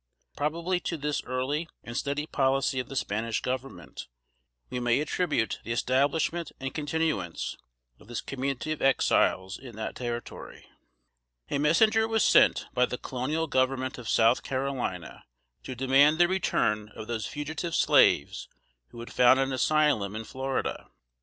Probably to this early and steady policy of the Spanish Government, we may attribute the establishment and continuance of this community of Exiles in that territory. [Sidenote: 1738.] A messenger was sent by the Colonial Government of South Carolina to demand the return of those fugitive slaves who had found an asylum in Florida.